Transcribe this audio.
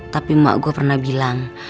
tapi emak gue pernah bilang